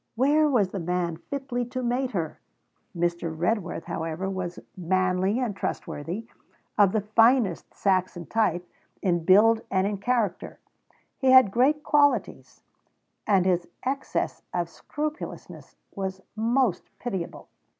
Where was the man fitly to mate her! Mr. Redworth, however, was manly and trustworthy, of the finest Saxon type in build and in character. He had great qualities, and his excess of scrupulousness was most pitiable.